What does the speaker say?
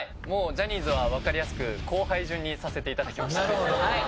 もうジャニーズはわかりやすく後輩順にさせて頂きました。